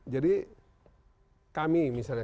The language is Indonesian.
jadi kami misalnya